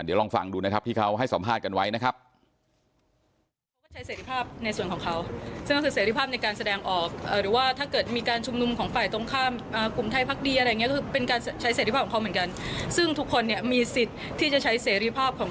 เดี๋ยวลองฟังดูนะครับที่เขาให้สัมภาษณ์กันไว้นะครับ